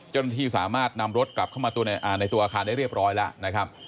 เจ้าหน้าที่สามารถนำรถกลับเข้ามาในตัวอาคารได้เรียบร้อยแล้วนะครับ